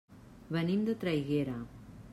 Venim de Traiguera.